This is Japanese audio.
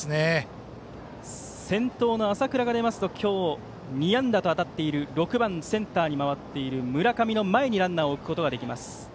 先頭の浅倉が出ますと今日、２安打と当たっている６番センターに回っている村上の前にランナーを置くことができます。